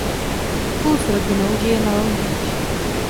Spolu s rodinou žije na Long Beach.